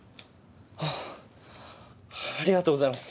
はあありがとうございます。